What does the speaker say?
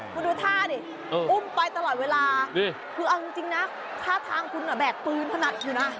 คุณดูท่าดิอุ้มไปตลอดเวลาคือเอาจริงนะท่าทางคุณแบกปืนขนาดอยู่นะ